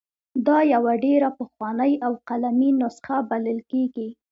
دا یوه ډېره پخوانۍ او قلمي نسخه ګڼل کیږي.